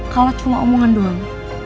kalau cuma omongan doang